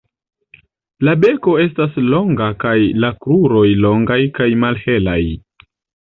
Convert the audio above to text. La beko estas longa kaj la kruroj longaj kaj malhelaj.